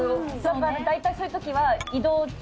大体そういう時は。